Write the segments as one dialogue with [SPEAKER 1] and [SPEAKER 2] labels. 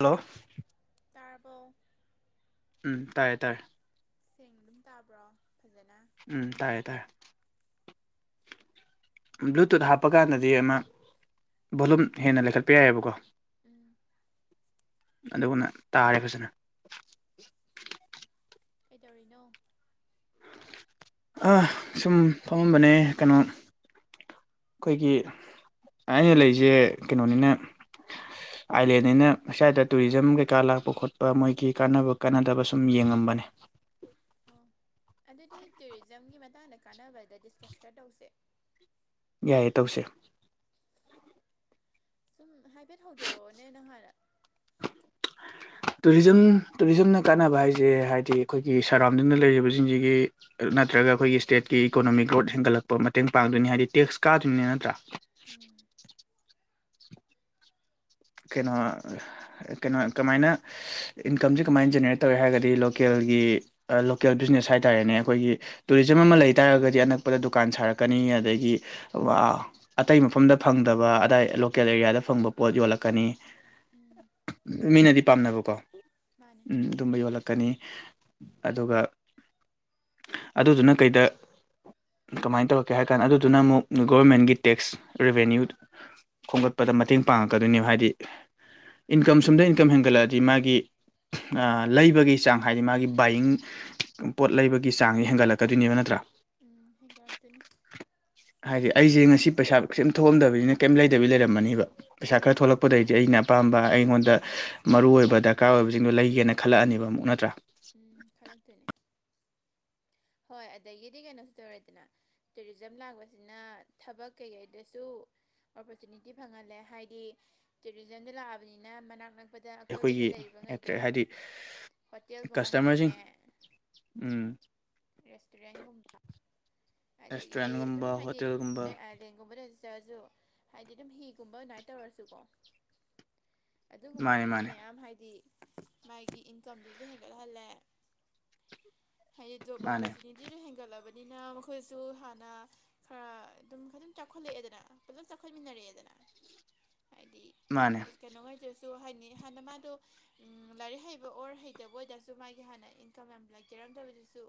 [SPEAKER 1] hello
[SPEAKER 2] ꯑꯣ ꯇꯥꯔꯕꯣ
[SPEAKER 1] ꯎꯝ ꯇꯥꯏꯌꯦ ꯇꯥꯔꯦ
[SPEAKER 2] ꯁꯦꯡꯅ ꯇꯥꯕ꯭ꯔꯣ ꯐꯖꯅ
[SPEAKER 1] ꯎꯝ ꯇꯥꯏꯌꯦ ꯇꯥꯏ ꯕ꯭ꯂꯨꯇꯨꯠ
[SPEAKER 2] ꯎꯝ
[SPEAKER 1] ꯍꯥꯞꯄꯀꯥꯟꯗꯗꯤ ꯑꯃ ꯕꯣꯂꯨꯝ ꯍꯦꯟꯅ ꯂꯩꯈꯠꯄ ꯌꯥꯏꯑꯦꯕꯀꯣ
[SPEAKER 2] ꯎꯝ
[SPEAKER 1] ꯑꯗꯨꯅ ꯇꯥꯔꯦ ꯐꯖꯟꯅ
[SPEAKER 2] ꯀꯩꯗꯧꯔꯤꯅꯣ
[SPEAKER 1] ꯑ ꯁꯨꯝ ꯐꯝꯃꯝꯕꯅꯦ ꯀꯩꯅꯣ ꯑꯈꯣꯏꯒꯤ ꯑꯩꯅ ꯂꯩꯁꯦ ꯀꯩꯅꯣꯅꯤꯅ ꯑꯥꯏꯂꯦꯟꯅꯤꯅ ꯁ꯭ꯋꯥꯏꯗ ꯇꯨꯔꯤꯖꯝ ꯀꯩꯀꯥ ꯂꯥꯛꯄ ꯈꯣꯠꯄ ꯃꯣꯏꯒꯤ ꯀꯥꯟꯅꯕ ꯀꯥꯟꯅꯗꯕ ꯁꯨꯝ ꯌꯦꯡꯉꯝꯕꯅꯦ
[SPEAKER 2] ꯑꯣ ꯑꯗꯨꯗꯤ ꯇꯨꯔꯤꯖꯝꯒꯤ ꯃꯇꯥꯡꯗ ꯀꯥꯟꯅꯕꯗ ꯗꯤꯁꯀ꯭ꯁ ꯈꯔ ꯇꯧꯁꯦ
[SPEAKER 1] ꯌꯥꯏꯌꯦ ꯇꯧꯁꯦ
[SPEAKER 2] ꯁꯨꯝ ꯍꯥꯏꯐꯦꯠ ꯍꯧꯗꯣꯔꯛꯑꯣꯅꯦ ꯅꯪ ꯍꯥꯟꯅ
[SPEAKER 1] ꯇꯨꯔꯤꯖꯝ ꯇꯨꯔꯤꯖꯝꯅ ꯀꯥꯟꯅꯕ ꯍꯥꯏꯁꯦ ꯍꯥꯏꯗꯤ ꯑꯩꯈꯣꯏꯒꯤ ꯁꯔꯥꯎꯟꯗꯤꯡꯗ ꯂꯩꯔꯤꯕꯁꯤꯡꯁꯤꯒꯤ ꯅꯠꯇ꯭ꯔꯒ ꯑꯈꯣꯏꯒꯤ ꯏꯁꯇꯦꯠꯀꯤ ꯏꯀꯣꯅꯣꯃꯤ ꯒ꯭ꯔꯣꯠ ꯍꯦꯟꯒꯠꯂꯛꯄ ꯃꯇꯦꯡ ꯄꯥꯡꯗꯣꯏꯅꯤ ꯍꯥꯏꯕꯗꯤ ꯇꯦꯛꯁ ꯀꯥꯗꯔꯤꯝꯅꯤ ꯅꯠꯇ꯭ꯔꯥ
[SPEAKER 2] ꯎꯝ
[SPEAKER 1] ꯀꯩꯅꯣ ꯀꯩꯅꯣ ꯀꯃꯥꯏꯅ ꯏꯟꯀꯝꯁꯦ ꯀꯃꯥꯏꯅ ꯖꯦꯅꯔꯦꯠ ꯇꯧꯋꯦ ꯍꯥꯏꯔꯒꯗꯤ ꯂꯣꯀꯦꯜꯒꯤ ꯂꯣꯀꯦꯜ ꯕꯤꯖꯤꯅꯦꯁ ꯍꯥꯏ ꯇꯥꯔꯦꯅꯦ ꯑꯈꯣꯏꯒꯤ ꯇꯨꯔꯤꯖꯝ ꯑꯃ ꯂꯩ ꯇꯥꯔꯒꯗꯤ ꯑꯅꯛꯄꯗ ꯗꯨꯀꯥꯟ ꯁꯥꯔꯛꯀꯅꯤ ꯑꯗꯒꯤ ꯑ ꯑꯇꯩ ꯃꯐꯝꯗ ꯐꯪꯗꯕ ꯑꯗꯥꯏ ꯂꯣꯀꯦꯜ ꯑꯦꯔꯤꯌꯥꯗ ꯐꯪꯕ ꯄꯣꯠ ꯌꯣꯜꯂꯛ ꯀꯅꯤ
[SPEAKER 2] ꯎꯝ
[SPEAKER 1] ꯃꯤꯅꯗꯤ
[SPEAKER 2] ꯃꯥꯅꯦ
[SPEAKER 1] ꯄꯥꯝꯅꯕꯀꯣ
[SPEAKER 2] ꯃꯥꯅꯦ
[SPEAKER 1] ꯎꯝ ꯗꯨꯝꯕ ꯌꯣꯜꯂꯛꯀꯅꯤ ꯑꯗꯨꯒ ꯑꯗꯨꯗꯨꯅ ꯀꯩꯗ ꯀꯃꯥꯏꯅ ꯇꯧꯔꯛꯀꯦ ꯍꯥꯏ ꯀꯥꯟ ꯑꯗꯨꯗꯨꯅ ꯑꯃꯨꯛ ꯒꯣꯔꯃꯦꯟꯒꯤ ꯇꯦꯛꯁ ꯔꯤꯚꯦꯅ꯭ꯌꯨ ꯈꯣꯝꯒꯠꯄꯗ ꯃꯇꯦꯡ ꯄꯥꯡꯉꯛꯀꯗꯣꯏꯅꯦꯕ ꯍꯥꯏꯗꯤ ꯏꯟꯀꯝ ꯁꯨꯝꯗ ꯏꯟꯀꯝ ꯍꯦꯟꯒꯠꯂꯛꯑꯗꯤ ꯃꯥꯒꯤ ꯑ ꯂꯩꯕꯒꯤ ꯆꯥꯡ ꯍꯥꯏꯗꯤ ꯃꯥꯒꯤ ꯕꯥꯏꯌꯤꯡ ꯄꯣꯠ ꯂꯩꯕꯒꯤ ꯆꯥꯡꯁꯦ ꯍꯦꯟꯒꯠ ꯂꯛꯀꯗꯣꯏꯅꯦꯕ ꯅꯠꯇ꯭ꯔꯥ
[SPEAKER 2] ꯎꯝ ꯍꯦꯒꯠꯂꯛꯇꯣꯏꯅꯦ
[SPEAKER 1] ꯍꯥꯏꯗꯤ ꯑꯩꯁꯦ ꯉꯁꯤ ꯄꯩꯁꯥ ꯀꯩꯁꯨꯝ ꯊꯣꯛꯑꯝꯗꯅꯤꯅ ꯀꯩꯝ ꯂꯩꯗꯕꯤ ꯂꯩꯔꯝꯃꯅꯤꯕ ꯄꯩꯥꯁꯥ ꯈꯔ
[SPEAKER 2] ꯎꯝ
[SPEAKER 1] ꯊꯣꯛꯂꯛꯄꯗꯩ ꯑꯩꯅ ꯑꯄꯥꯝꯕ ꯑꯩꯉꯣꯟꯗ ꯃꯔꯨꯑꯣꯏꯕ ꯗꯔꯀꯥꯔ ꯑꯣꯏꯕꯁꯤꯡꯗꯣ ꯂꯩꯒꯦꯅ ꯈꯜꯂꯛꯑꯅꯤꯕ ꯑꯃꯨꯛ ꯅꯠꯇ꯭ꯔꯥ
[SPEAKER 2] ꯎꯝ ꯈꯜꯂꯛꯇꯣꯏꯅꯦ ꯍꯣꯏ ꯑꯗꯒꯤꯗꯤ ꯀꯩꯅꯣꯁꯨ ꯇꯧꯔꯦꯗꯅ ꯇꯨꯔꯤꯖꯝ ꯂꯥꯛꯄꯁꯤꯅ ꯊꯕꯛ ꯀꯩꯀꯩꯗꯁꯨ ꯑꯣꯄꯣꯔꯆꯨꯅꯤꯇꯤ ꯐꯪꯍꯜꯂꯦ ꯍꯥꯏꯗꯤ ꯇꯨꯔꯤꯖꯝꯗ ꯂꯥꯛꯑꯕꯅꯤꯅ ꯃꯅꯥꯛꯅꯛ ꯄꯗ ꯑꯀꯣꯏꯕꯗ
[SPEAKER 1] ꯑꯩꯈꯣꯏꯒꯤ
[SPEAKER 2] ꯂꯩꯔꯤꯕꯉꯩꯗꯣ
[SPEAKER 1] ꯑꯦꯇ꯭ꯔꯦ ꯍꯥꯏꯗꯤ
[SPEAKER 2] ꯍꯣꯇꯦꯜꯒꯨꯝꯕ
[SPEAKER 1] ꯀꯁꯇꯃꯔꯁꯤꯡ
[SPEAKER 2] ꯍꯥꯡꯉꯛꯑꯦ
[SPEAKER 1] ꯎꯝ
[SPEAKER 2] ꯔꯦꯁꯇꯨꯔꯦꯟꯒꯨꯝꯕ ꯑꯗꯒꯤꯗꯤ ꯑꯗꯨꯝ
[SPEAKER 1] ꯔꯦꯁꯇꯨꯔꯦꯟꯒꯨꯝꯕ
[SPEAKER 2] ꯍꯥꯏꯗꯤ
[SPEAKER 1] ꯍꯣꯇꯦꯜꯒꯨꯝꯕ
[SPEAKER 2] ꯅꯣꯏ ꯑꯥ ꯄꯦꯟꯒꯨꯝꯕꯗ ꯆꯠꯂꯁꯨ ꯍꯥꯏꯗꯤ ꯑꯗꯨꯝ ꯍꯤꯒꯨꯝꯕ ꯑꯗꯨꯃꯥꯏ ꯇꯧꯔꯁꯨꯀꯣ
[SPEAKER 1] ꯃꯥꯅꯦ
[SPEAKER 2] ꯑꯗꯨꯒꯨꯝꯕꯗꯨꯅ
[SPEAKER 1] ꯃꯥꯅꯦ
[SPEAKER 2] ꯃꯌꯥꯝ ꯍꯥꯏꯗꯤ ꯃꯥꯒꯤ ꯏꯟꯀꯝꯗꯨꯁꯨ ꯍꯦꯟꯒꯠꯍꯜꯂꯦ ꯍꯥꯏꯗꯤ ꯖꯣꯕ
[SPEAKER 1] ꯃꯥꯅꯦ
[SPEAKER 2] [unintelligible] ꯇꯤꯗꯣ ꯍꯦꯟꯒꯠꯂꯕꯅꯤꯅ ꯑꯩꯈꯣꯏꯁꯨ ꯍꯥꯟꯅ ꯈꯔ ꯑꯗꯨꯝ ꯑꯗꯨꯝ ꯆꯥꯎꯈꯠꯂꯛꯑꯦꯗꯅ ꯐꯖꯅ ꯆꯥꯎꯈꯠꯃꯤꯟꯅꯔꯛꯑꯦꯗꯅ ꯍꯥꯏꯗꯤ
[SPEAKER 1] ꯃꯥꯅꯦ
[SPEAKER 2] ꯀꯩꯅꯣ ꯍꫭꯏꯗꯁꯨ ꯍꯥꯏꯅꯤ ꯍꯥꯟꯅ ꯃꯥꯗꯣ ꯂꯥꯏꯔꯤꯛ ꯍꯩꯕ ꯑꯣꯔ ꯍꯩꯇꯕ ꯑꯣꯏ ꯇꯁꯨ ꯃꯥꯒꯤ ꯍꯥꯟꯅ ꯏꯟꯀꯝ ꯌꯥꯝ ꯂꯩꯖꯔꯝꯗꯕꯗꯨꯁꯨ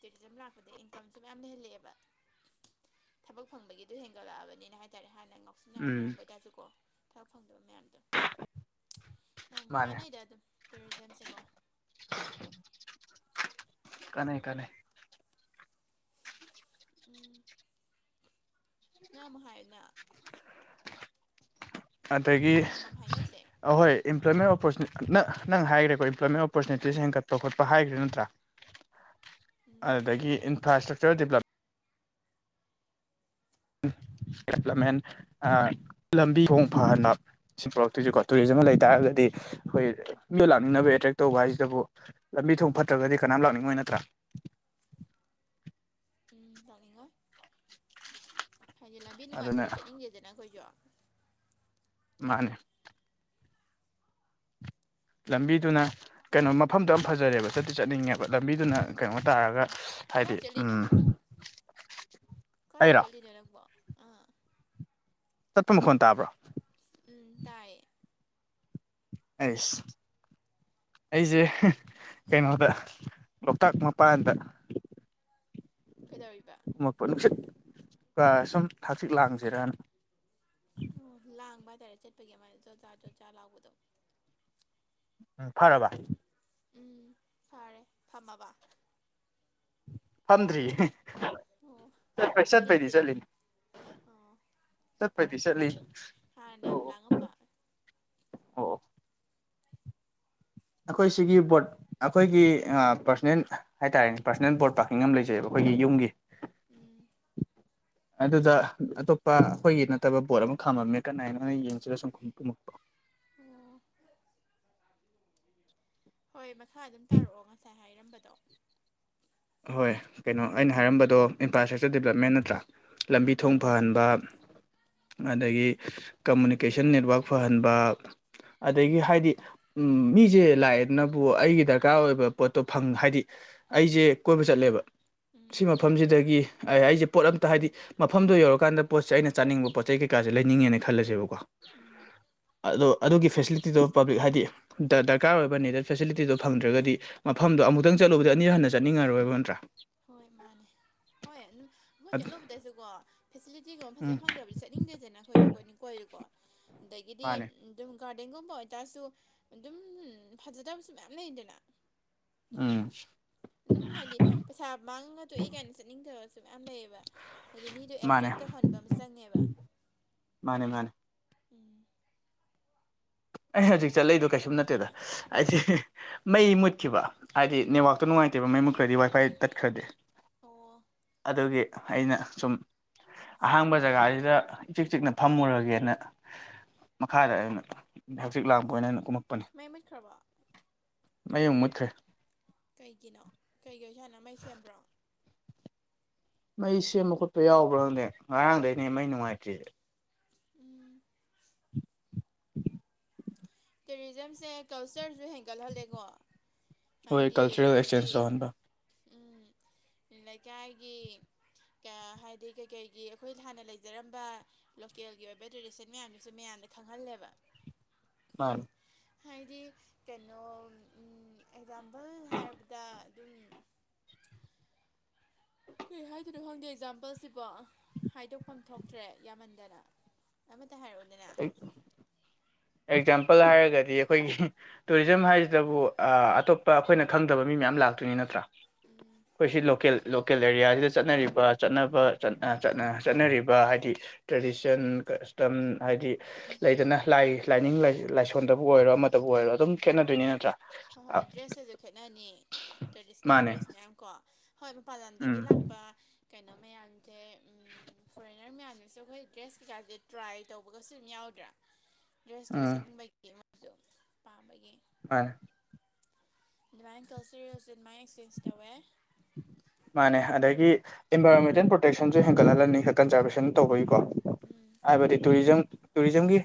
[SPEAKER 2] ꯇꯦꯛꯖꯝ ꯂꯥꯛꯄꯗꯩ ꯏꯟꯀꯝꯁꯨ ꯃꯌꯥꯝꯗ ꯍꯜꯂꯛꯑꯦꯕ ꯊꯕꯛ ꯐꯪꯕꯒꯤꯗꯨ ꯍꯦꯟꯒꯠꯂꯛꯑꯕꯅꯤꯅ ꯍꯥꯏꯇꯥꯔꯦ ꯍꯥꯟꯅ ꯉꯥꯎ ꯁꯥꯟꯅꯔ
[SPEAKER 1] ꯎꯝ
[SPEAKER 2] ꯂꯩꯔꯝꯕ ꯑꯣꯏꯇꯥꯁꯨꯀꯣ ꯊꯕꯛ ꯐꯪꯗꯕ ꯃꯌꯥꯝꯗꯣ ꯌꯥꯝ
[SPEAKER 1] ꯃꯥꯅꯦ
[SPEAKER 2] ꯀꯥꯟꯅꯩꯗ ꯑꯗꯨꯝ ꯇꯨꯔꯤꯖꯝꯁꯦꯀꯣ
[SPEAKER 1] ꯀꯥꯅꯩ ꯀꯥꯅꯩ
[SPEAKER 2] ꯎꯝ ꯅꯪ ꯑꯃꯨꯛ ꯍꯥꯏꯌꯨꯅꯥ
[SPEAKER 1] ꯑꯗꯒꯤ
[SPEAKER 2] ꯑꯃꯃꯝ ꯍꯥꯏꯅꯁꯦ
[SPEAKER 1] ꯑꯍꯣꯏ ꯑꯝꯄ꯭ꯂꯣꯏꯃꯦꯟ ꯑꯣꯄꯣꯔꯆꯨ ꯅꯪ ꯅꯪ ꯍꯥꯏꯒ꯭ꯔꯦꯀꯣ ꯏꯝꯄ꯭ꯂꯣꯏꯃꯦꯟ ꯑꯣꯄꯣꯔꯆꯨꯅꯤꯇꯤ ꯍꯦꯟꯒꯠꯄ ꯈꯣꯠꯄ ꯍꯥꯏꯒ꯭ꯔꯦ ꯅꯠꯇ꯭ꯔꯥ
[SPEAKER 2] ꯎꯝ
[SPEAKER 1] ꯑꯗꯒꯤ
[SPEAKER 2] ꯍꯥꯏꯈ꯭ꯔꯦ
[SPEAKER 1] ꯏꯟꯇꯔꯥ ꯏꯁꯇ꯭ꯔꯛꯆꯔ ꯗꯦꯕꯂꯞ ꯗꯦꯕꯂꯞꯃꯦꯟ ꯑ ꯂꯝꯕꯤ ꯊꯣꯡ ꯐꯍꯟꯕ ꯁꯤ ꯄꯨꯔꯛꯇꯣꯏꯁꯤꯀꯣ ꯇꯨꯔꯤꯖꯝ ꯑꯃ ꯂꯩ ꯇꯥꯔꯒꯗꯤ ꯑꯩꯈꯣꯏ ꯃꯤꯗꯣ ꯂꯥꯛꯅꯤꯡꯅꯕ ꯑꯦꯇ꯭ꯔꯦꯛ ꯇꯧꯕ ꯍꯥꯏꯁꯤꯇꯕꯨ ꯂꯝꯕꯤ ꯊꯣꯡ ꯐꯠꯇ꯭ꯔꯒꯗꯤ ꯀꯅꯥꯝ ꯂꯥꯛꯅꯤꯡꯉꯣꯏ ꯅꯠꯇ꯭ꯔꯥ
[SPEAKER 2] ꯎꯝ ꯂꯥꯛꯅꯤꯡꯉꯣꯏ ꯍꯥꯏꯗꯤ ꯂꯝꯕꯤ
[SPEAKER 1] ꯑꯗꯨꯅ
[SPEAKER 2] ꯅꯨꯡꯉꯥꯏꯇꯔꯗꯤ ꯆꯠꯅꯤꯡꯗꯦꯗꯅ ꯑꯩꯈꯣꯏꯖꯨ
[SPEAKER 1] ꯃꯥꯅꯦ ꯂꯝꯕꯤꯗꯨꯅ ꯀꯩꯅꯣ ꯃꯐꯝꯗꯣ ꯌꯥꯝ ꯐꯖꯔꯦꯕ ꯆꯠꯇꯤ ꯆꯠꯅꯤꯡꯉꯦꯕ ꯂꯝꯕꯤꯗꯨꯅ ꯀꯩꯅꯣ ꯇꯥꯔꯒ
[SPEAKER 2] ꯎꯝ ꯀꯗꯥꯏ
[SPEAKER 1] ꯍꯥꯏꯗꯤ
[SPEAKER 2] ꯆꯠꯂꯤꯅꯣ
[SPEAKER 1] ꯎꯝ
[SPEAKER 2] ꯀꯔꯥꯏ
[SPEAKER 1] ꯑꯩꯔꯣ
[SPEAKER 2] ꯆꯠꯂꯤꯅꫭ ꯅꯪꯕꫭ ꯑꯥ
[SPEAKER 1] ꯆꯠꯄ ꯃꯈꯣꯟ ꯇꯥꯕ꯭ꯔꯣ
[SPEAKER 2] ꯎꯝ ꯇꯥꯏꯌꯦ
[SPEAKER 1] ꯑꯩꯁ ꯑꯩꯖꯦ ꯀꯩꯅꯣꯗ ꯂꯣꯛꯇꯥꯛ ꯃꯄꯥꯟꯗ
[SPEAKER 2] ꯀꯩꯗꯧꯔꯤꯕ
[SPEAKER 1] ꯄ ꯅꯨꯡꯁꯤꯠꯀ ꯁꯨꯝ ꯍꯥꯡꯆꯤꯛ ꯂꯥꯡꯁꯤꯔꯅ
[SPEAKER 2] ꯑꯣ ꯂꯥꯡꯕ ꯍꯥꯏꯇꯥꯔꯦ ꯆꯠꯄꯒꯤ ꯑꯗꯨꯃꯥꯏ ꯆꫭꯠꯆꯥꯥ ꯆꯣꯠꯆꯥ ꯂꯥꯎꯕꯗꯣ
[SPEAKER 1] ꯎꯝ ꯐꯔꯕ
[SPEAKER 2] ꯎꯝ ꯐꯔꯦ ꯐꯝꯃꯕ
[SPEAKER 1] ꯐꯝꯗ꯭ꯔꯤꯌꯦ
[SPEAKER 2] ꯑꯣ
[SPEAKER 1] ꯆꯠꯄꯩ ꯆꯠꯄꯩꯗꯤ
[SPEAKER 2] ꯂꯦꯞꯄꯤꯔꯥ
[SPEAKER 1] ꯆꯠꯂꯤ
[SPEAKER 2] ꯑꯣ ꯈꯔ
[SPEAKER 1] ꯆꯠꯄꯩꯗꯤ
[SPEAKER 2] ꯐꯔꯛꯄ
[SPEAKER 1] ꯆꯠꯂꯤ
[SPEAKER 2] ꯍꯥꯟꯅ ꯌꯥꯝ
[SPEAKER 1] ꯑꯣ
[SPEAKER 2] ꯂꯥꯡꯉꯝꯕ
[SPEAKER 1] ꯑꯣ ꯑꯩꯈꯣꯏ ꯁꯤꯒꯤ ꯕꯣꯠ ꯑꯩꯈꯣꯏꯒꯤ ꯄꯔꯁꯣꯅꯦꯜ ꯍꯥꯏꯇꯥꯔꯦꯅꯦ ꯄꯔꯁꯣꯅꯦꯜ ꯕꯣꯠꯇꫭ ꯇꯪꯉꯝ ꯂꯩꯖꯩꯑꯕ ꯑꯩꯈꯣꯏꯒꯤ ꯌꯨꯝꯒꯤ
[SPEAKER 2] ꯎꯝ
[SPEAKER 1] ꯑꯗꯨꯗ ꯑꯇꯣꯞꯄ ꯑꯩꯈꯣꯏꯒꯤ ꯅꯠꯇꯕ ꯕꯣꯠ ꯑꯃ ꯈꯥꯝꯃꯝꯃꯦ ꯀꯅꯥꯏꯅꯦꯅ ꯌꯦꯡ
[SPEAKER 2] ꯑꫭ ꯍꯣꯏ ꯈꯥ ꯑꯗꯨꯝ ꯇꯥꯔꯛꯑꯣ ꯉꯁꯥꯏ ꯍꯥꯏꯔꯝꯕꯗꯣ
[SPEAKER 1] ꯍꯣꯏ ꯀꯩꯅꯣ ꯑꯩꯅ ꯍꯥꯏꯔꯝꯕꯗꯣ ꯏꯟꯐ꯭ꯔꯥꯁ꯭ꯇ꯭ꯔꯛꯆꯔ ꯗꯤꯕꯂꯞꯃꯦꯟ ꯅꯠꯇ꯭ꯔꯥ ꯂꯝꯕꯤ
[SPEAKER 2] ꯎꯝ
[SPEAKER 1] ꯊꯣꯡ ꯐꯍꯟꯕ ꯑꯗꯒꯤ ꯀꯝꯃꯨꯅꯤꯀꯦꯁꯟ ꯅꯦꯠꯋꯥꯛ ꯐꯍꯟꯕ ꯑꯗꯒꯤ ꯍꯥꯏꯗꯤ ꯎꯝ ꯃꯤꯖꯦ ꯂꯥꯛꯑꯦꯗꯅꯕꯨ ꯑꯩꯒꯤ ꯗꯔꯀꯥꯔ ꯑꯣꯏꯕ ꯄꯣꯠꯇꯣ ꯐꯪ ꯍꯥꯏꯗꯤ ꯑꯩꯖꯦ ꯀꯣꯏꯕ ꯆꯠꯂꯦꯕ ꯁꯤ
[SPEAKER 2] ꯎꯝ
[SPEAKER 1] ꯃꯐꯝꯖꯤꯗꯒꯤ ꯑꯩ ꯑꯩꯖꯦ ꯄꯣꯠ ꯑꯝꯇ ꯍꯥꯏꯗꯤ ꯃꯐꯝꯗꯣ ꯌꯧꯔꯀꯥꯟꯗ ꯄꯣꯠꯁꯦ ꯑꯩꯅ ꯆꯥꯅꯤꯡꯕ ꯄꯣꯠ ꯆꯩ ꯀꯩꯀꯥꯖꯦ ꯂꯩꯅꯤꯡꯉꯦꯅ ꯈꯜꯂꯁꯦꯕꯀꯣ
[SPEAKER 2] ꯎꯝ
[SPEAKER 1] ꯑꯗꯣ ꯑꯗꯨꯒꯤ ꯐꯦꯁꯤꯂꯤꯇꯤꯗꯣ ꯄꯥꯕ꯭ꯂꯤꯛ ꯍꯥꯏꯗꯤ ꯗꯥ ꯗꯔꯀꯥꯔ ꯑꯣꯏꯕ ꯅꯦꯗꯔ ꯐꯦꯁꯤꯂꯤꯇꯤꯗꯣ ꯐꯪꯗ꯭ꯔꯒꯗꯤ ꯃꯐꯝꯗ ꯑꯃꯨꯛꯇꯪ ꯆꯠꯂꯨꯕꯗ ꯑꯅꯤꯔ ꯍꯟꯅ ꯆꯠ__ ꯅꯤꯡꯉꯔꯣꯏꯕ ꯅꯠꯇ꯭ꯔꯥ
[SPEAKER 2] ꯍꯣꯏ ꯃꯥꯅꯦ ꯍꯣꯏ ꯑꯗꯨꯝ ꯃꯣꯏ ꯀꯦꯠꯂꯧꯕꯗꯁꯨꯀꯣ ꯐꯦꯁꯤꯂꯤꯇꯤꯒꯨꯝꯕ
[SPEAKER 1] ꯎꯝ
[SPEAKER 2] ꯐꯖꯅ ꯐꯪꯗ꯭ꯔꯕꯤꯁ ꯆꯠ__ ꯅꯤꯡꯗꯦꯗꯅ ꯑꯩꯈꯣꯏꯁꯨ ꯀꯣꯏꯅꯤꯡ ꯀꯣꯏꯔꯦꯀꯣ ꯑꯗꯩꯒꯤꯗꯤ
[SPEAKER 1] ꯃꯥꯅꯦ
[SPEAKER 2] ꯑꯗꯨꯝ ꯒꯥꯔꯗꯦꯟꯒꯨꯝꯕ ꯑꯣꯏꯇꯥꯔꯁꯨ ꯑꯗꯨꯝ ꯐꯖꯗꯕꯁꯨ ꯃꯌꯥꯝ ꯂꯩꯗꯅ
[SPEAKER 1] ꯎꯝ
[SPEAKER 2] ꯑꯗꯨꯝ ꯍꯥꯏꯗꯤ ꯄꯩꯁꯥ ꯃꯥꯡꯉꯒ ꯇꯣꯛꯑꯦ ꯀꯥꯏꯅ ꯆꯠꯅꯤꯡꯗꯕꯁꯨ ꯃꯌꯥꯝ ꯂꯩꯌꯦꯕ ꯍꯥꯏꯗꯤ ꯃꯤꯗꯣ
[SPEAKER 1] ꯃꯥꯅꯦ
[SPEAKER 2] ꯑꯦꯇ꯭ꯔꯦꯛ ꯇꯧꯍꯟꯕ ꯑꯃ ꯆꯪꯉꯦꯕ
[SPEAKER 1] ꯃꯥꯅꯦ ꯃꯥꯅꯦ
[SPEAKER 2] ꯎꯝ
[SPEAKER 1] ꯑꯩ ꯍꯧꯖꯤꯛ ꯆꯠꯂꯛꯏꯗꯣ ꯀꯩꯁꯨꯝ ꯅꯠꯇꯦꯗ ꯍꯥꯏꯗꯤ ꯃꯩ ꯃꯨꯠꯈꯤꯕ ꯍꯥꯏꯗꯤ ꯅꯦꯠꯋꯥꯛꯇꯣ ꯅꯨꯡꯉꯥꯏꯇꯦꯕ ꯃꯩ ꯃꯨꯠꯈ꯭ꯔꯗꯤ ꯋꯥꯏꯐꯥꯏ ꯇꯠꯈ꯭ꯔꯗꯤ
[SPEAKER 2] ꯑꯣ
[SPEAKER 1] ꯑꯗꯨꯒꯤ ꯑꯩꯅ ꯁꯨꯝ ꯑꯍꯥꯡꯕ ꯖꯒꯥꯖꯤꯗ ꯏꯆꯤꯛ ꯆꯤꯛꯅ ꯐꯝꯃꯨꯔꯒꯦꯅ ꯃꯈꯥꯗ ꯑꯣꯏꯅ ꯍꯪꯆꯤꯛ ꯂꯥꯡꯄ ꯑꯣꯏꯅ ꯀꯨꯝꯃꯛꯄꯅꯤ
[SPEAKER 2] ꯃꯩ ꯃꯨꯠꯈ꯭ꯔꯕꯣ
[SPEAKER 1] ꯃꯩ ꯑꯃꯨꯛ ꯃꯨꯠꯈ꯭ꯔꯦ
[SPEAKER 2] ꯀꯩꯒꯤꯅꯣ ꯀꯩꯒꯤ ꯑꯣꯏꯁꯥꯅꯣ ꯃꯩ ꯁꯦꯝꯕ꯭ꯔꯣ
[SPEAKER 1] ꯃꯩ ꯁꯦꯝꯕ ꯈꯣꯠꯄ ꯌꯥꯎꯕ꯭ꯔꯥ ꯈꯪꯗꯦ ꯉꯔꯥꯡꯗꯩꯅꯦ ꯃꯩ ꯅꯨꯡꯉꯥꯏꯇ꯭ꯔꯤꯖꯦ
[SPEAKER 2] ꯎꯝ
[SPEAKER 1] [inaudible]
[SPEAKER 2] ꯇꯨꯔꯤꯖꯝꯁꯦ ꯀꯜꯆꯔꯁꯨ ꯍꯦꯟꯒꯠꯍꯜꯂꯦꯀꯣ
[SPEAKER 1] ꯍꯣꯏ
[SPEAKER 2] ꯍꯥꯏꯗꯤ
[SPEAKER 1] ꯀꯜꯆꯔꯦꯜ
[SPEAKER 2] ꯑꯩꯈꯣꯏꯒꯤ
[SPEAKER 1] ꯑꯦꯛꯁꯆꯦꯟꯖ ꯇꯧꯍꯟꯕ
[SPEAKER 2] ꯎꯝ ꯂꯩꯀꯥꯏꯒꯤ ꯀꯥ ꯍꯥꯏꯗꯤ ꯀꯩꯀꯩꯒꯤ ꯑꯩꯈꯣꯏ ꯍꯥꯟꯅ ꯂꯩꯖꯔꯝꯕ ꯂꯣꯀꯦꯜꯒꯤ ꯑꯣꯏꯕ ꯇ꯭ꯔꯦꯗꯤꯁꯟ ꯃꯌꯥꯝꯗꯨꯁꯨ ꯃꯤꯌꯥꯝꯗ ꯈꯪꯍꯜꯂꯦꯕ
[SPEAKER 1] ꯃꯥꯅꯦ
[SPEAKER 2] ꯍꯥꯏꯗꯤ ꯀꯩꯅꯣ ꯎꯝ ꯑꯦꯛꯖꯥꯝꯄꯜ ꯍꯥꯏꯔꯕꯗ ꯑꯗꯨꯝ ꯀꯩ ꯍꯥꯏꯗꯣꯏꯅꯣ ꯈꯪꯗꯦ ꯑꯦꯛꯖꯥꯝꯄꯜꯁꯤꯕꯣ ꯍꯥꯏꯗꯣꯛꯐꯝ ꯊꯣꯛꯇ꯭ꯔꯦ ꯌꯥꯝꯃꯟꯗꯅ ꯑꯃꯇ ꯍꯥꯏꯔꯛꯑꯣꯗꯅ
[SPEAKER 1] ꯑꯦꯛꯖꯥꯝꯄꯜ ꯍꯥꯏꯔꯒꯗꯤ ꯑꯩꯈꯣꯏꯒꯤ ꯇꯨꯔꯤꯖꯝ ꯍꯥꯏꯁꯤꯗꯕꯨ ꯑꯥ ꯑꯇꯣꯞꯄ ꯑꯩꯈꯣꯏꯅ ꯈꯪꯗꯕ ꯃꯤ ꯃꯌꯥꯝ ꯂꯥꯛꯇꯣꯏꯅꯤ ꯅꯠꯇ꯭ꯔꯥ
[SPEAKER 2] ꯎꯝ
[SPEAKER 1] ꯑꯩꯈꯣꯏ ꯁꯤ ꯂꯣꯀꯦꯜ ꯂꯣꯀꯦꯜ ꯑꯦꯔꯤꯌꯥꯁꯤꯗ ꯆꯠꯅꯔꯤꯕ ꯆꯠꯅꯕ ꯆꯠꯅ ꯑꯥ ꯆꯠꯅ ꯆꯠꯅꯔꯤꯕ ꯍꯥꯏꯗꯤ ꯇ꯭ꯔꯦꯗꯤꯁꯟ ꯀꯁꯇꯝ ꯍꯥꯏꯗꯤ ꯂꯩꯗꯅ ꯂꯥꯏ ꯂꯥꯏꯅꯤꯡ ꯂꯥꯢ ꯂꯥꯏꯁꯣꯟꯗꯕꯨ ꯑꯣꯏꯔꯣ ꯑꯃ
[SPEAKER 2] ꯎꯝ ꯍꯣꯏ ꯍꯣꯏ ꯗ꯭ꯔꯦꯁꯇꯁꯨ ꯈꯦꯠꯅꯅꯤ ꯇ꯭ꯔꯦꯗꯤꯁꯅꯦꯜ
[SPEAKER 1] ꯃꯥꯅꯦ
[SPEAKER 2] ꯗ꯭ꯔꯦꯁ ꯃꯌꯥꯝ ꯀꯣ ꯍꯣꯏ ꯃꯄꯥꯟ ꯂꯝꯗꯒꯤ
[SPEAKER 1] ꯎꯝ
[SPEAKER 2] ꯂꯥꯛꯄ ꯀꯩꯅꯣ ꯃꯌꯥꯝꯖꯦ ꯎꯝ ꯎꯝ ꯐꯣꯔꯦꯟꯅꯔ ꯃꯌꯥꯝꯅꯁꯨ ꯑꯩꯈꯣꯏ ꯗ꯭ꯔꯦꯁ ꯀꯩꯀꯥꯖꯦ ꯇ꯭ꯔꯥꯏ ꯇꯧꯕꯒꯁꯨ ꯑꯗꯨꯝ ꯌꯥꯎꯗ꯭ꯔꯥ ꯗ꯭ꯔꯦꯁꯇꯣ
[SPEAKER 1] ꯎꯝ
[SPEAKER 2] ꯁꯦꯠꯅꯤꯡꯕꯒꯤ ꯃꯣꯏꯁꯨ ꯄꯥꯝꯕꯒꯤ
[SPEAKER 1] ꯃꯥꯏ
[SPEAKER 2] ꯑꯗꯨꯃꯥꯏꯅ ꯀꯜꯆꯔꯔꯦꯁꯁꯨ ꯑꯗꯨꯃꯥꯏ ꯑꯦꯛꯆꯦꯟꯖ ꯇꯧꯋꯦ
[SPEAKER 1] ꯃꯥꯅꯦ ꯑꯗꯒꯤ ꯑꯦꯟꯚꯥꯏꯔꯣꯟꯃꯦꯟꯇꯦꯜ ꯄ꯭ꯔꯣꯇꯦꯛꯁꯟꯖꯨ ꯍꯦꯟꯒꯠꯍꯜꯂꯅꯤ ꯀꯟꯖꯥꯔꯕꯦꯁꯟ ꯇꯧꯕꯒꯤꯀꯣ
[SPEAKER 2] ꯎꯝ
[SPEAKER 1] ꯍꯥꯏꯕꯗꯤ ꯇꯨꯔꯤꯖꯝ ꯇꯨꯔꯤꯖꯝꯒꯤ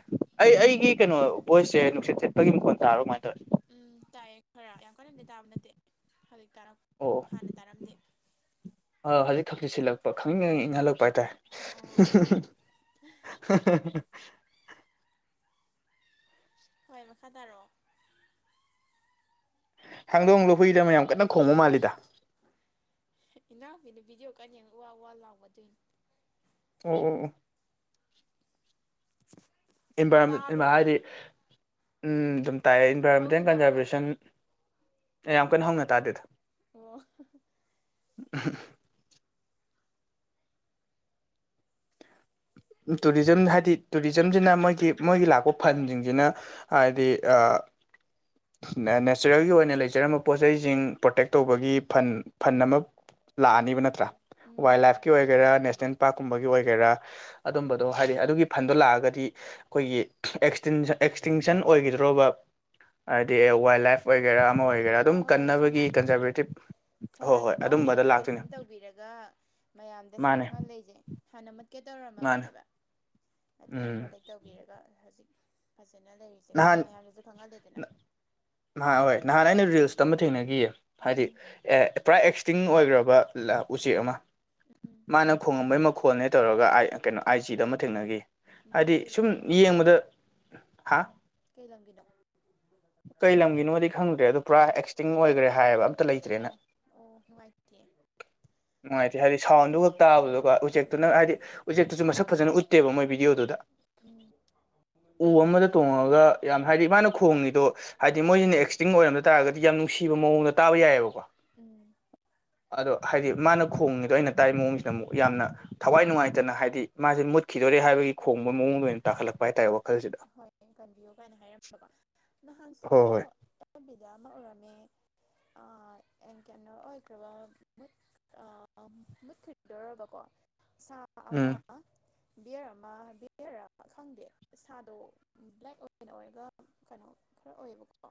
[SPEAKER 1] ꯑꯩ ꯑꯩꯒꯤ ꯀꯩꯅꯣ ꯚꯣꯏꯁꯁꯦ ꯅꯨꯡꯁꯤꯠ ꯁꯤꯠꯄꯒꯤ ꯃꯈꯣꯟ ꯇꯥꯕ꯭ꯔꯥ ꯀꯃꯥꯏ ꯇꯧꯋꯦ
[SPEAKER 2] ꯎꯝ ꯇꯥꯏꯌꯦ ꯈꯔ ꯌꯥꯝ ꯀꯟꯅꯗꯤ ꯇꯥꯕ ꯅꯠꯇꯦ ꯍꯧꯖꯤꯛ
[SPEAKER 1] ꯑꯣ
[SPEAKER 2] ꯇꯥꯔꯛꯄ ꯍꯥꯟꯅ ꯇꯥꯔꯝꯗꯦ
[SPEAKER 1] ꯑ ꯍꯧꯖꯤꯛ ꯈꯪꯁꯤꯠ ꯁꯤꯠꯂꯛꯄ ꯈꯪꯅꯤꯡ ꯍꯦꯛ ꯏꯪꯍꯜꯂꯛꯄ ꯍꯥꯏꯇꯥꯔꯦ [inaudible]
[SPEAKER 2] ꯑꯣ ꯍꯣꯏ ꯃꯈꯥ ꯇꯥꯔꯛꯑꯣ
[SPEAKER 1] ꯍꯥꯡꯗꯣꯡꯂꯣ ꯍꯨꯏꯔ ꯑꯃ ꯌꯥꯝ ꯀꯟꯅ ꯈꯣꯡꯕ ꯃꯥꯜꯂꯤꯗ
[SPEAKER 2] ꯏꯅꯥꯎꯄꯤꯅ ꯚꯤꯗꯤꯑꯣ ꯀꯟꯅ ꯌꯦꯡ ꯎꯋꯥ ꯎꯋꯥ ꯂꯥꯎꯕ ꯑꯗꯨꯏꯅꯤ
[SPEAKER 1] ꯑꯣ ꯑꯣ ꯑꯣ ꯏꯟꯚꯥꯏꯔꯣꯝꯃꯦꯟ
[SPEAKER 2] ꯇꯥꯕ꯭ꯔꯥ ꯑꯗꯨꯝ
[SPEAKER 1] ꯍꯥꯏꯗꯤ ꯎꯝ ꯑꯗꯨꯝ ꯇꯥꯏꯌꯦ
[SPEAKER 2] ꯍꯧꯅ
[SPEAKER 1] ꯏꯟꯚꯥꯏꯔꯣꯟꯃꯦꯟꯇꯦꯜ
[SPEAKER 2] ꯇꯥꯕ꯭ꯔꯥ
[SPEAKER 1] ꯀꯟꯖꯥꯔꯕꯦꯁꯟ ꯑꯦ ꯌꯥꯝ ꯀꯟꯅ ꯍꯧꯅ ꯇꯥꯗꯦꯗ
[SPEAKER 2] ꯑꯣ
[SPEAKER 1] [inaudible] ꯇꯨꯔꯤꯖꯝ ꯍꯥꯏꯗꯤ ꯇꯨꯔꯤꯖꯝꯁꯤꯅ ꯃꯣꯏꯒꯤ ꯃꯣꯏꯒꯤ ꯂꯥꯛꯄ ꯐꯟꯁꯤꯡꯁꯤꯅ ꯍꯥꯏꯗꯤ ꯑ ꯅꯦ ꯅꯦꯆꯔꯦꯜꯒꯤ ꯑꯣꯏꯅ ꯂꯩꯖꯔꯝꯕ ꯄꯣꯠ ꯆꯩꯁꯤꯡ ꯄ꯭ꯔꯣꯇꯦꯛ ꯇꯧꯕꯒꯤ ꯐꯟ ꯐꯟ ꯑꯃ ꯂꯥꯛꯑꯅꯤꯕ ꯅꯠꯇ꯭ꯔꯥ
[SPEAKER 2] ꯎꯝ
[SPEAKER 1] ꯋꯥꯏꯜ ꯂꯥꯏꯐꯀꯤ ꯑꯣꯏꯒꯦꯔꯥ ꯅꯦꯁꯅꯦꯜ ꯄꯥꯛꯀꯨꯝꯕꯒꯤ ꯑꯣꯏꯒꯦꯔꯥ ꯑꯗꯨꯝꯕꯗꯣ ꯍꯥꯏꯗꯤ ꯑꯗꯨꯒꯤ ꯐꯟꯗꯣ ꯂꯥꯛꯑꯒꯗꯤ ꯑꯩꯈꯣꯏꯒꯤ ꯑꯦꯛꯁꯇꯤꯟ ꯑꯦꯛꯁꯇꯤꯡꯁꯟ ꯑꯣꯏꯒꯤꯗ꯭ꯔꯣꯕ ꯍꯥꯏꯗꯤ ꯋꯥꯏꯜ ꯂꯥꯏꯐ ꯑꯣꯏꯒꯦꯔꯥ ꯑꯃ ꯑꯣꯏ
[SPEAKER 2] ꯍꯣꯏ ꯍꯣꯏ ꯁꯉꯥꯏꯒꯨꯝꯕꯗꯣ
[SPEAKER 1] ꯍꯣꯏ ꯍꯣꯏ
[SPEAKER 2] ꯁꯉꯥꯏꯒꯨꯝꯕ
[SPEAKER 1] ꯑꯗꯨꯝꯕꯗ
[SPEAKER 2] ꯍꯧꯖꯤꯛ
[SPEAKER 1] ꯂꯥꯛꯇꯣꯏꯅꯦ
[SPEAKER 2] ꯄ꯭ꯔꯣꯇꯦꯛꯁꯟ ꯇꯧꯕꯤꯔꯒ ꯃꯌꯥꯝꯗ
[SPEAKER 1] ꯃꯥꯅꯦ
[SPEAKER 2] ꯁꯛꯈꯪꯍꯥꯟꯂꯤꯁꯦ ꯍꯥꯟꯅ ꯃꯨꯠꯀꯦ
[SPEAKER 1] ꯃꯥꯅꯦ
[SPEAKER 2] ꯇꯧꯔꯝꯃꯕꯅꯦꯕ ꯑꯗꯨꯃꯥꯏꯅ
[SPEAKER 1] ꯎꯝ
[SPEAKER 2] ꯄ꯭ꯔꯣꯟꯇꯦꯛ ꯇꯧꯕꯤꯔꯒ ꯍꯧꯖꯤꯛ ꯐꯖꯅ ꯂꯩꯔꯤꯁꯦꯀꯣ ꯃꯌꯥꯝꯗꯁꯨ ꯈꯪꯍꯜꯂꯦꯗꯅ
[SPEAKER 1] ꯅꯍꯥꯟꯍꯣꯏ ꯅꯍꯥꯟ ꯑꯩꯅ ꯔꯤꯜꯁ ꯑꯃ ꯊꯦꯡꯅꯈꯤꯌꯦ ꯍꯥꯏꯗꯤ
[SPEAKER 2] ꯎꯝ
[SPEAKER 1] ꯑꯦ ꯄꯨꯔꯥ ꯑꯦꯛꯁ ꯇꯤꯡ ꯑꯣꯏꯈ꯭ꯔꯕ ꯎꯆꯦꯛ ꯑꯃ
[SPEAKER 2] ꯎꯝ
[SPEAKER 1] ꯃꯥꯅ ꯈꯣꯡꯉꯝꯕꯩ ꯃ ꯈꯣꯟꯅꯦ ꯇꯧꯔꯒ ꯑꯥꯏ ꯀꯩꯅꯣ ꯑꯥꯏꯖꯤꯗ ꯑꯃ ꯊꯦꯡꯅꯈꯤ
[SPEAKER 2] ꯎꯝ
[SPEAKER 1] ꯍꯥꯏꯗꯤ
[SPEAKER 2] ꯀꯩ
[SPEAKER 1] ꯁꯨꯝ
[SPEAKER 2] ꯂꯝꯒꯤꯅꯣ
[SPEAKER 1] ꯌꯦꯡꯕꯗ ꯍꯥ
[SPEAKER 2] ꯀꯩ ꯂꯝꯒꯤꯅꯣ
[SPEAKER 1] ꯀꯩ ꯂꯝꯒꯤꯅꯣꯗꯤ ꯈꯪꯗ꯭ꯔꯦ ꯑꯗꯣ ꯄꯨꯔꯥ ꯑꯦꯛꯁꯇꯤꯡ ꯑꯣꯏꯈ꯭ꯔꯦ ꯍꯥꯏꯌꯦꯕ ꯑꯝꯇ ꯂꯩꯇ꯭ꯔꯦꯅ
[SPEAKER 2] ꯑꯣ ꯑꯣ ꯅꯨꯡꯉꯥꯏꯇꯦ
[SPEAKER 1] ꯅꯨꯡꯉꯥꯏꯇꯦ ꯍꯥꯏꯗꯤ ꯁꯥꯎꯟꯗꯨ ꯈꯛ ꯇꯥꯕꯗꯣ ꯎꯆꯦꯛꯇꯨꯅ ꯍꯥꯏꯗꯤ ꯎꯆꯦꯛꯇꯨꯁꯨ ꯃꯁꯛ ꯐꯖꯅ ꯎꯠꯇꯦꯕ ꯃꯣꯏ ꯚꯤꯗꯤꯑꯣꯗꯨꯗ
[SPEAKER 2] ꯎꯝ
[SPEAKER 1] ꯎ ꯑꯃꯗ ꯇꯣꯡꯉꯒ ꯌꯥꯝ ꯍꯥꯏꯗꯤ ꯃꯥꯅ ꯈꯣꯡꯉꯤꯗꯣ ꯍꯥꯏꯗꯤ ꯃꯣꯏꯁꯤꯅ ꯑꯦꯛꯁꯇꯤꯡ ꯑꯣꯏꯔꯝꯗ ꯇꯥꯔꯒꯗꯤ ꯌꯥꯝ ꯅꯨꯡꯁꯤꯕ ꯃꯑꯣꯡꯗ ꯇꯥꯕ ꯌꯥꯏꯌꯦꯕꯀꯣ
[SPEAKER 2] ꯎꯝ
[SPEAKER 1] ꯑꯗꯣ ꯍꯥꯏꯗꯤ ꯃꯥꯅ ꯈꯣꯡꯉꯤꯗꯣ ꯑꯩꯅ ꯇꯥꯏ ꯃꯑꯣꯡꯁꯤꯗ ꯑꯃꯨꯛ ꯌꯥꯝꯅ ꯊꯋꯥꯏ ꯅꯨꯡꯉꯥꯏꯇꯅ ꯍꯥꯏꯗꯤ ꯃꯥꯁꯦ ꯃꯨꯠꯈꯤꯗꯣꯔꯦ ꯍꯥꯏꯕꯒꯤ ꯈꯣꯡꯕ ꯃꯑꯣꯡꯗꯣ ꯑꯣꯏꯅ ꯇꯥꯈꯠꯂꯛꯄ ꯍꯥꯏꯇꯥꯔꯦ ꯋꯥꯈꯜꯁꯤꯗ
[SPEAKER 2] ꯍꯣꯏ ꯀꯟꯕꯤꯌꯨ ꯀꯥꯏꯅ ꯍꯥꯏꯔꯝꯕꯀꯣ ꯅꯍꯥꯟꯁꯨ
[SPEAKER 1] ꯍꯣꯏ ꯍꯣꯏ
[SPEAKER 2] ꯑꯩꯗꯣ ꯑꯦꯕ ꯕꯤꯗ ꯑꯃ ꯎꯔꯝꯃꯦ ꯑꯥ ꯑꯦꯡ ꯀꯩꯅꯣ ꯑꯣꯏꯈ꯭ꯔꯕ ꯃꯨꯠ ꯑꯥ ꯃꯨꯠꯈꯤꯗꯣꯔꯕꯀꯣ ꯁꯥ ꯑꯃ
[SPEAKER 1] ꯎꯝ
[SPEAKER 2] ꯕꯤꯌꯔ ꯑꯃ ꯕꯤꯌꯔ ꯔꯥ ꯈꯪꯗꯦ ꯁꯥꯗꯣ ꯕ꯭ꯂꯦꯛ ꯑꯣꯏꯅ ꯑꯣꯏꯔꯒ ꯀꯩꯅꯣ ꯈꯔ ꯑꯣꯏꯌꯦꯕꯀꯣ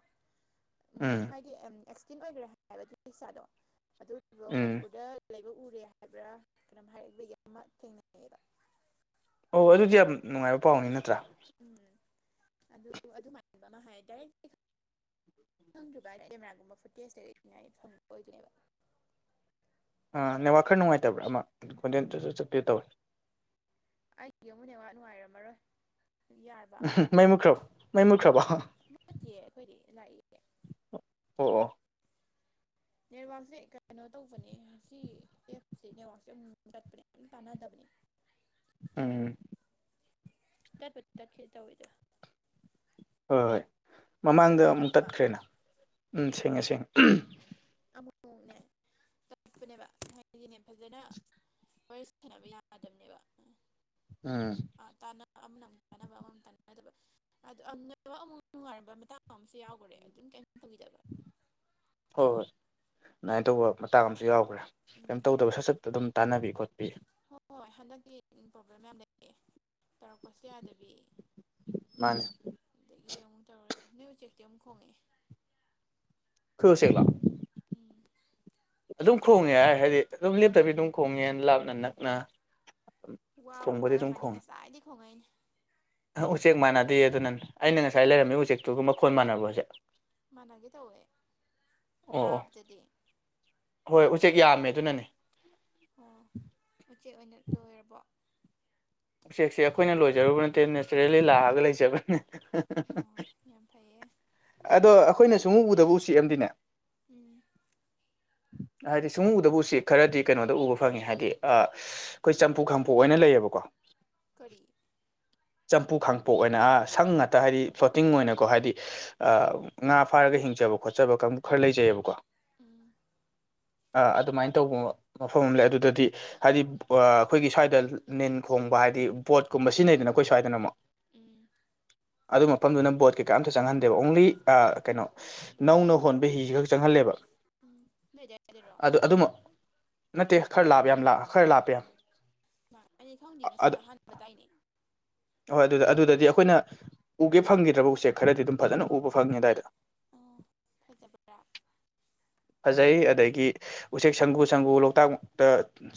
[SPEAKER 2] ꯎꯝ ꯍꯥꯏꯗꯤ ꯎꯝ ꯑꯦꯛꯁꯇꯦꯟ ꯑꯣꯏꯈ꯭ꯔꯦ ꯍꯥꯏꯌꯦꯕ ꯑꯗꯨꯏ ꯁꯥꯗꯣ ꯑꯗꯨꯗꯣ
[SPEAKER 1] ꯎꯝ
[SPEAKER 2] ꯃꯅꯤꯄꯨꯔꯗ ꯂꯩꯕ ꯎꯔꯦ ꯍꯥꯏꯕ꯭ꯔꯥ ꯀꯩꯅꯣꯝ ꯍꯥꯏꯕꯒꯤ ꯑꯃ ꯊꯦꯡꯅꯩꯌꯦꯕ
[SPEAKER 1] ꯑꯣ ꯑꯗꯨꯗꯤ ꯌꯥꯝ ꯅꯨꯡꯉꯥꯏꯕ ꯄꯥꯎꯅꯤ ꯅꯠꯇ꯭ꯔꯥ
[SPEAKER 2] ꯎꯝ ꯑꯗꯨ [unintelligible] ꯗꯥꯏꯔꯦꯛ [unintelligible] ꯀꯦꯃꯦꯔꯥꯒꯨꯝꯕ ꯐꯨꯇꯦꯖ [unintelligible] ꯐꯪꯕ ꯑꯣꯏꯗꯣꯏꯅꯦꯕ
[SPEAKER 1] ꯑꯥ ꯅꯦꯠꯋꯥꯛ ꯈꯔ ꯅꯨꯡꯉꯥꯏꯇꯕ꯭ꯔꯥ ꯑꯃ ꯈꯣꯟꯖꯦꯟ ꯆꯞ ꯆꯞ ꯆꯞꯄꯤꯗꯣ ꯇꯧꯋꯦ
[SPEAKER 2] ꯑꯩꯒꯤ ꯑꯃꯨꯛ ꯅꯦꯠꯋꯥꯛ ꯅꯨꯡꯉꯥꯏꯔꯝꯃꯔꯣꯏ ꯌꯥꯔꯕ
[SPEAKER 1] ꯃꯩ ꯃꯨꯠꯈ꯭ꯔꯥꯕꯣ ꯃꯩ ꯃꯨꯠꯈ꯭ꯔꯥꯕꯣ ꯑꯣ
[SPEAKER 2] ꯅꯠꯇꯤꯌꯦ ꯑꯩꯈꯣꯏꯗꯤ ꯂꯥꯛꯏꯌꯦ
[SPEAKER 1] ꯑꯣ
[SPEAKER 2] ꯅꯦꯠꯋꯥꯛꯁꯦ ꯀꯩꯅꯣ ꯇꯧꯕꯅꯦ ꯁꯤ ꯑꯦꯞꯁꯦ ꯅꯦꯠꯋꯥꯛꯁꯦ ꯑꯃꯨꯛ ꯑꯃꯨꯛ ꯇꯠꯄꯅꯦ ꯑꯗꯨꯝ ꯇꯥꯟꯅꯗꯕꯅꯦ
[SPEAKER 1] ꯎꯝ
[SPEAKER 2] ꯇꯠꯄꯗꯤ ꯇꯠꯀꯦ ꯇꯧꯋꯤꯗꯥ
[SPEAKER 1] ꯍꯣꯏ ꯍꯣꯏ ꯃꯃꯥꯡꯗ ꯑꯃꯨꯛ
[SPEAKER 2] ꯁꯦꯡꯉꯕ
[SPEAKER 1] ꯇꯠꯈ꯭ꯔꯦꯅ ꯎꯝ ꯁꯦꯡꯉꯦ ꯁꯦꯡꯉꯦ ꯎꯝ
[SPEAKER 2] ꯑꯃꯨꯛ ꯑꯃꯨꯛꯅꯦ ꯇꯠꯄꯅꯦꯕ ꯍꯥꯏꯗꯤꯅꯦ ꯐꯖꯅ ꯋꯥꯔꯤ ꯁꯥꯟꯅꯕ ꯌꯥꯗꯕꯅꯦꯕ ꯎꯝ
[SPEAKER 1] ꯎꯝ
[SPEAKER 2] ꯑꯥ ꯇꯥꯟꯅ ꯑꯃꯅ ꯑꯃꯨꯛ ꯇꯥꯟꯅꯕ ꯑꯃꯅ ꯑꯃꯨꯛ ꯇꯥꯟꯅꯗꯕ ꯑꯗꯣ [unintelligible] ꯅꯦꯠꯋꯥꯛ ꯑꯃꯨꯛ ꯅꯨꯡꯉꯥꯏꯔꯝꯕ ꯃꯇꯥꯡ ꯑꯃꯁꯨ ꯌꯥꯎꯈꯔꯦ ꯑꯗꯨꯝ ꯀꯩꯝ ꯇꯧꯈꯤꯗꯕ
[SPEAKER 1] ꯍꯣ ꯍꯣꯏ [unintelligible] ꯃꯇꯥꯡ ꯑꯝꯁꯨ ꯌꯥꯎꯈ꯭ꯔꯦ ꯀꯩꯝ
[SPEAKER 2] ꯎꯝ
[SPEAKER 1] ꯇꯧꯗꯕ ꯁꯠ ꯁꯠ ꯑꯗꯨꯝ ꯇꯥꯟꯅꯕꯤ ꯈꯣꯠꯄꯤ
[SPEAKER 2] ꯍꯣꯏ ꯍꯟꯗꯛꯇꯤ ꯄ꯭ꯔꯣꯕ꯭ꯂꯦꯝ ꯌꯥꯝ ꯂꯩꯌꯦ ꯇꯧꯔꯛꯄꯁꯨ ꯌꯥꯗꯕꯤ
[SPEAKER 1] ꯃꯥꯅꯦ
[SPEAKER 2] ꯑꯗꯒꯤꯗꯤ ꯑꯃꯨꯛ ꯇꯧꯔꯦ ꯅꯣꯏ ꯎꯆꯦꯛꯇꯤ ꯑꯃꯨꯛ ꯈꯣꯡꯉꯛꯑꯦ
[SPEAKER 1] ꯈꯣꯏ ꯎꯆꯦꯛꯂꯣ
[SPEAKER 2] ꯎꯝ
[SPEAKER 1] ꯑꯗꯨꯝ ꯈꯣꯡꯉꯦ ꯍꯥꯏ ꯍꯥꯏꯗꯤ ꯑꯗꯨꯝ ꯂꯦꯞꯇꯕꯤ ꯑꯗꯨꯝ ꯈꯣꯡꯉꯦ ꯂꯥꯞꯅ ꯅꯛꯅ
[SPEAKER 2] ꯋꯥꯕꯨ
[SPEAKER 1] ꯈꯣꯡꯕꯗꯤ ꯑꯗꯨꯝ
[SPEAKER 2] ꯋꯥꯔꯝꯃꯅꯤ
[SPEAKER 1] ꯈꯣꯡꯉꯦ
[SPEAKER 2] ꯉꯁꯥꯏꯗꯩ ꯈꯣꯡꯉꯛꯏꯅꯦ
[SPEAKER 1] ꯎꯆꯦꯛ ꯃꯥꯟꯅꯗꯦ ꯑꯗꯨꯅꯅꯦ ꯑꯩꯅ ꯉꯁꯥꯏ
[SPEAKER 2] ꯑꯣ
[SPEAKER 1] ꯂꯩꯔꯝꯃꯤ ꯎꯆꯦꯛꯇꯨꯒ ꯃꯈꯣꯟ ꯃꯥꯟꯅꯕꯣ ꯍꯧꯖꯤꯛ
[SPEAKER 2] ꯃꯥꯟꯅꯒꯦ ꯇꯧꯋꯦ
[SPEAKER 1] ꯑꯣ ꯑꯣ
[SPEAKER 2] ꯇꯥꯕꯗꯗꯤ
[SPEAKER 1] ꯍꯣꯏ ꯎꯆꯦꯛ ꯌꯥꯝꯃꯦ ꯑꯗꯨꯅꯅꯦ
[SPEAKER 2] ꯑꯣ ꯎꯆꯦꯛ ꯑꯣꯏꯅ ꯂꯣꯏꯔꯕꯣ
[SPEAKER 1] ꯎꯆꯦꯛꯁꯦ ꯑꯩꯈꯣꯏꯅ ꯂꯣꯏꯖꯔꯨꯕ ꯅꯠꯇꯦ ꯅꯦꯆꯔꯦꯜꯂꯤ ꯂꯥꯛꯑꯒ ꯂꯩꯖꯕꯅꯦ
[SPEAKER 2] ꯑꯣ ꯌꯥꯝ ꯐꯩꯌꯦ
[SPEAKER 1] ꯑꯗꯣ ꯑꯩꯈꯣꯏꯅ ꯁꯨꯡꯎ ꯎꯗꯕ ꯎꯆꯦꯛ ꯑꯝꯗꯤꯅꯦ
[SPEAKER 2] ꯎꯝ
[SPEAKER 1] ꯍꯥꯏꯗꯤ ꯁꯨꯡꯎ ꯎꯗꯕ ꯎꯆꯦꯛ ꯈꯔꯗꯤ ꯀꯩꯅꯣꯗ ꯎꯕ ꯐꯪꯉꯦ ꯍꯥꯏꯗꯤ ꯑꯥ ꯑꯩꯈꯣꯏ ꯆꯝꯄꯨ ꯈꯥꯡꯄꯣꯛ ꯍꯥꯏꯅ ꯂꯩꯌꯦꯕꯀꯣ
[SPEAKER 2] ꯀꯔꯤ
[SPEAKER 1] ꯆꯝꯄꯨ ꯈꯥꯡꯄꯣꯛ ꯑꯣꯏꯅ ꯑꯥ ꯁꯪ ꯉꯥꯛꯇ ꯍꯥꯏꯗꯤ ꯐ꯭ꯂꯣꯇꯤꯡ ꯑꯣꯏꯅꯀꯣ ꯍꯥꯏꯗꯤ ꯑꯥ
[SPEAKER 2] ꯑꯣ
[SPEAKER 1] ꯉꯥ ꯐꯥꯔꯒ ꯍꯤꯡꯖꯕ ꯈꯣꯠꯆꯕ ꯀꯥꯡꯕꯨ ꯈꯔ ꯂꯩꯖꯩꯌꯦꯕꯀꯣ
[SPEAKER 2] ꯎꯝ
[SPEAKER 1] ꯑꯥ ꯑꯗꯨꯃꯥꯏꯅ ꯇꯧꯕ ꯃꯐꯝ ꯑꯃ ꯂꯩ ꯑꯗꯨꯗꯗꯤ ꯍꯥꯏꯗꯤ ꯑꯩꯈꯣꯏꯒꯤ ꯁ꯭ꯋꯥꯏꯗ ꯅꯤꯟ ꯈꯣꯡꯕ ꯍꯥꯏꯗꯤ ꯕꯣꯠ ꯀꯨꯝꯕ ꯁꯤꯖꯤꯟꯅꯩꯗꯅ ꯑꯩꯈꯣꯏ ꯁ꯭ꯋꯥꯏꯗꯅ ꯑꯃꯨꯛ
[SPEAKER 2] ꯎꯝ
[SPEAKER 1] ꯑꯗꯨ ꯃꯐꯝꯗꯨꯅ ꯕꯣꯠ ꯀꯩꯀꯥ ꯑꯝꯇ ꯆꯪꯍꯟꯗꯦꯕ ꯑꯣꯡꯂꯤ ꯑꯥ ꯀꯩꯅꯣ ꯅꯧꯅ ꯍꯣꯟꯕ ꯍꯤ ꯈꯛ ꯆꯪꯍꯜꯂꯦꯕ
[SPEAKER 2] ꯎꯝ ꯅꯣꯏ ꯑꯗꯨꯋꯥꯏꯗꯔꯣ
[SPEAKER 1] ꯑ ꯑꯗꯨꯃꯛ ꯅꯠꯇꯦ ꯈꯔ ꯂꯥꯞ ꯌꯥꯝ ꯂꯥꯞ ꯈꯔ ꯂꯥꯞꯄꯦ
[SPEAKER 2] [unintelligible] ꯈꯪꯗꯦ ꯉꯁꯤꯅ ꯑꯍꯥꯟꯕ ꯇꯥꯏꯅꯦ
[SPEAKER 1] ꯍꯣꯏ ꯑꯗꯨꯗ ꯑꯗꯨꯗꯗꯤ ꯑꯩꯈꯣꯏꯅ ꯎꯒꯦ ꯐꯪꯒꯤꯗ꯭ꯔꯕ ꯎꯆꯦꯛ ꯈꯔꯗꯤ ꯑꯗꯨꯝ ꯐꯖꯅ ꯎꯕ ꯐꯪꯉꯤ ꯑꯗꯥꯏꯗ
[SPEAKER 2] ꯑ ꯐꯖꯕꯔꯥ
[SPEAKER 1] ꯐꯖꯩ ꯑꯗꯒꯤ ꯎꯆꯦꯛ ꯁꯪꯒꯨ ꯁꯪꯒꯨ ꯂꯣꯛꯇꯥꯛꯇ